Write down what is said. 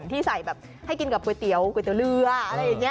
ที่ใส่แบบให้กินกับก๋วยเตี๋ยวก๋วยเตี๋ยวเรืออะไรอย่างนี้